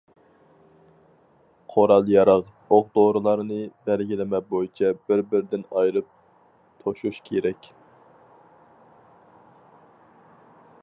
قورال-ياراغ، ئوق-دورىلارنى بەلگىلىمە بويىچە بىر-بىرىدىن ئايرىپ توشۇش كېرەك.